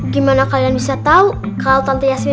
gimana kalian bisa tahu kalau tante yasmin